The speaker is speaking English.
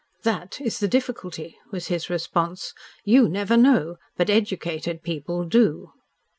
"That is the difficulty," was his response. "You never know, but educated people do."